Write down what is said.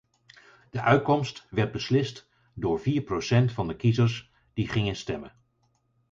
De uitkomst werd beslist door vier procent van de kiezers die gingen stemmen.